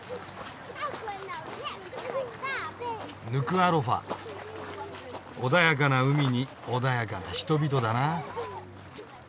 ヌクアロファ穏やかな海に穏やかな人々だな。